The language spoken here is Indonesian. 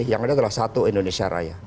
yang ada adalah satu indonesia raya